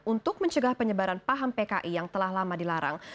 untuk mencegah penyebaran paham pki yang telah lama dilarang